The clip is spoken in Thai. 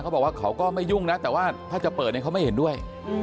บอกว่าเขาก็ไม่ยุ่งนะแต่ว่าถ้าจะเปิดเนี่ยเขาไม่เห็นด้วย